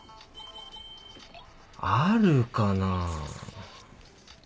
あるかな？